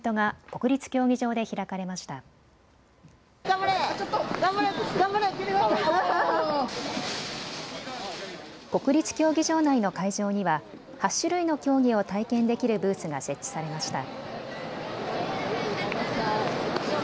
国立競技場内の会場には８種類の競技を体験できるブースが設置されました。